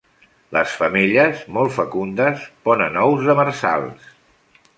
Les femelles, molt fecundes, ponen ous demersals.